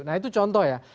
nah itu contoh ya